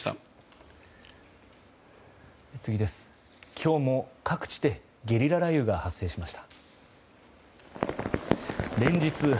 今日も各地でゲリラ雷雨が発生しました。